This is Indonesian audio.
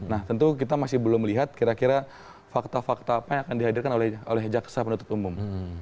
nah tentu kita masih belum melihat kira kira fakta fakta apa yang akan dihadirkan oleh jaksa penuntut umum